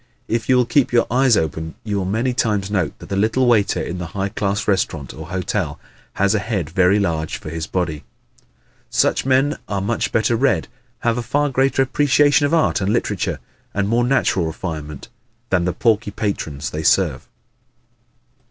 If you will keep your eyes open you will many times note that the little waiter in the high class restaurant or hotel has a head very large for his body. Such men are much better read, have a far greater appreciation of art and literature and more natural refinement than the porky patrons they serve.